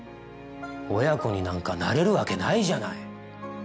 親子になんかなれるわけないじゃない。